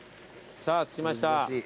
さぁ着きました。